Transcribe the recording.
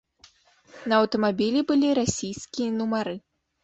На аўтамабілі былі расійскія нумары.